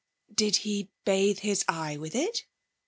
'Did he bathe his eye with it?'